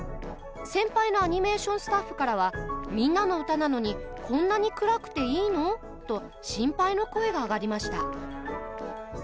先輩のアニメーションスタッフからは「『みんなのうた』なのにこんなに暗くていいの？」と心配の声が上がりました。